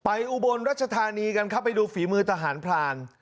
อุบลรัชธานีกันครับไปดูฝีมือทหารพราน